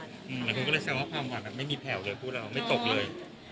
แหละคุณก็เลยแซมว่าพางหวังแหละไม่มีแผ่วเลยพูดว่าไม่ตกเลย